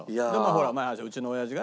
ほらうちの親父がね